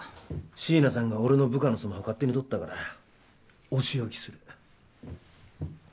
椎名さんが俺の部下のスマホ勝手にとったからお仕置きする。